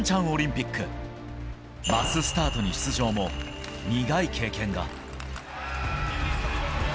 オリンピックマススタートに出場も苦い経験が。